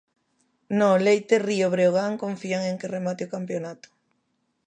No Leite Río Breogán confían en que remate o campionato.